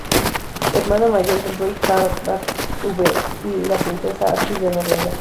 Hermana mayor del rey Harald V y de la princesa Astrid de Noruega.